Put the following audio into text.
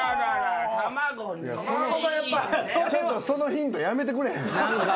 ちょっとそのヒントやめてくれへん？